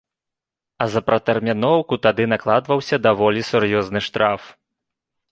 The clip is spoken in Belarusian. А за пратэрміноўку тады накладваўся даволі сур'ёзны штраф.